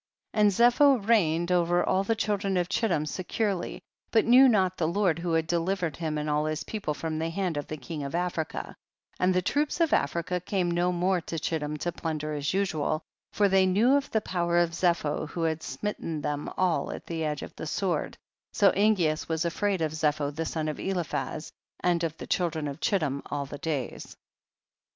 6. And Zepho reigned over all the children of Chitlim securely, but knew not the Lord who had deliver ed him and all his people from the hand of the king of Africa ; and the troops of Africa came no more to Chittim to plunder as usual, for they knew of the power of Zepho wlio had smitten them all at tlie edge of the sword, so Angeas was afraid of Ze pho the son of Eliphaz, and of the children of Chittim all the days.